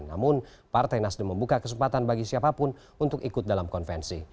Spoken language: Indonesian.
namun partai nasdem membuka kesempatan bagi siapapun untuk ikut dalam konvensi